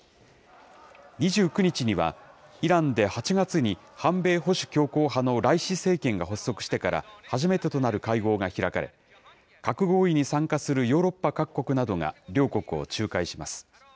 ２９日には、イランで８月に反米・保守強硬派のライシ政権が発足してから初めてとなる会合が開かれ、核合意に参加するヨーロッパ各国などが両国を仲介します。